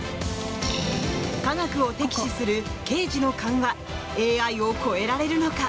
科学を敵視する刑事の勘はＡＩを超えられるのか？